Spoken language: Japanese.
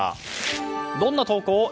どんな投稿？